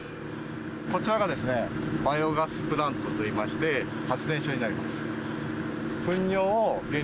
こちらがバイオガスプラントといいまして、発電所になります。